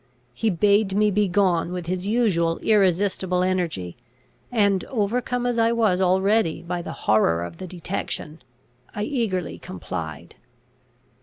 He bade me begone with his usual irresistible energy; and, overcome as I was already by the horror of the detection, I eagerly complied.